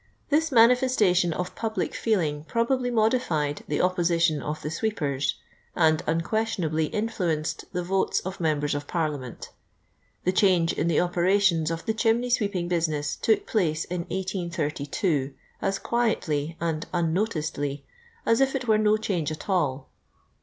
This manifestation of public feeling probably modified, the opposition of the sweepers, and un questionably influenced the votes of members of Parliament The change in the operations of the chimney sweeping business took place in 1832, as quietly and unnoticcdly as if it were no change at all.